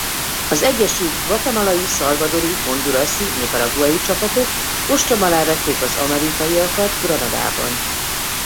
Az egyesült guatemalai-salvadori-hondurasi-nicaraguai csapatok ostrom alá vették az amerikaiakat Granadában.